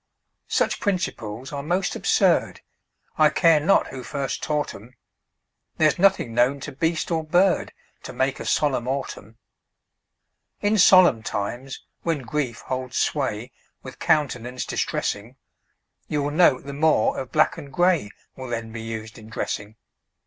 Such principles are most absurd, I care not who first taught 'em; There's nothing known to beast or bird To make a solemn autumn. In solemn times, when grief holds sway With countenance distressing, You'll note the more of black and gray Will then be used in dressing.